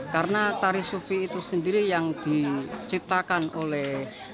karena tari sufi itu sendiri yang diciptakan oleh